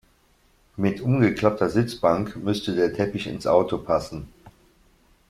Mit umgeklappter Sitzbank müsste der Teppich ins Auto passen.